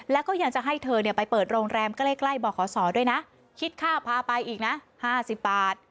แล้วก็ยังจะให้เธอไปเปิดโรงแรมใกล้บ่อขศด้วยนะคิดค่าพาไปอีกนะ๕๐บาท